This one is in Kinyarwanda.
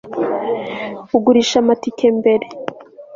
ugurisha amatike mbere